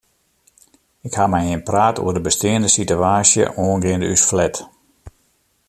Ik ha mei him praat oer de besteande sitewaasje oangeande ús flat.